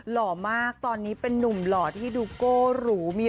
เรามาตอนนี้เป็นหนุ่มหล่อที่ดูโกหลุมี